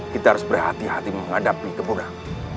kita harus berhati hati menghadapi kemudahan